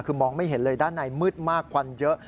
คือมองไม่เห็นเลยด้านในมืดมากควันเยอะ